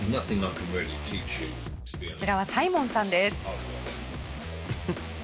こちらはサイモンさんです。